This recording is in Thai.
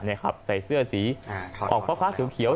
ใส่เสื้อสีออกฟ้าเขียว